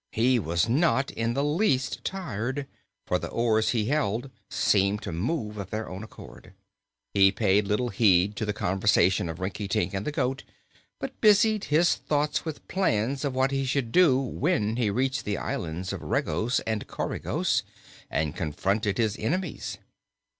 He was not in the least tired, for the oars he held seemed to move of their own accord. He paid little heed to the conversation of Rinkitink and the goat, but busied his thoughts with plans of what he should do when he reached the islands of Regos and Coregos and confronted his enemies.